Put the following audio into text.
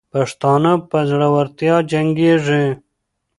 پښتانه په زړورتیا جنګېږي.